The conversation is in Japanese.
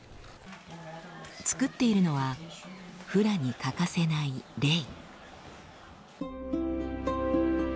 作っているのはフラに欠かせない「レイ」。